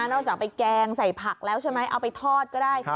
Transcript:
นอกจากไปแกงใส่ผักแล้วใช่ไหมเอาไปทอดก็ได้